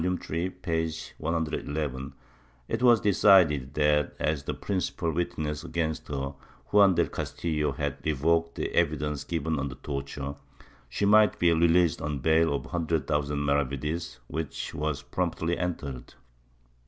Ill, p. Ill), it was decided that, as the principal witness against her, Juan del Castillo, had revoked the evidence given under torture, she might be released on bail of a hundred thousand maravedis, which was promptly entered.